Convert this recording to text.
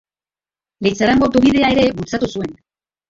Leitzarango Autobidea ere bultzatu zuen.